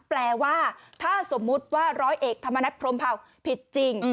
แปลว่าถ้าสมมุติว่าร้อยเอกธรรมนัฐพรมเผาผิดจริง